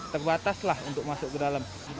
terbatas lah untuk masuk ke dalam